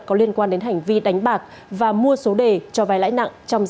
có liên quan đến hành vi đánh bạc và mua số đề cho vai lãi nặng trong giao dịch dân sự